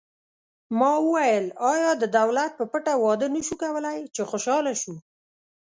ما وویل: آیا د دولت په پټه واده نه شو کولای، چې خوشحاله شو؟